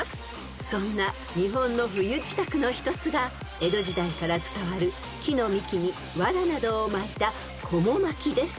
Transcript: ［そんな日本の冬支度の一つが江戸時代から伝わる木の幹にわらなどを巻いたこも巻きです］